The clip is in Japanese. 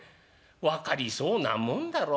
分かりそうなもんだろ？